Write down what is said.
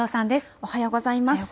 おはようございます。